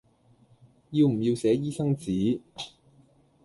要唔要寫醫生紙